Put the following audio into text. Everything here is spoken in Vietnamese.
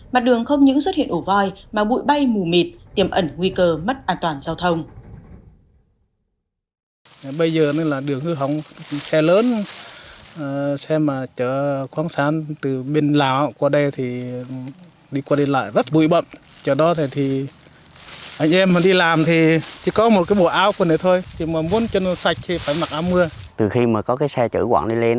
mặt đường không những xuất hiện ổ voi mà bụi bay mù mịt tiềm ẩn nguy cơ mất an toàn giao thông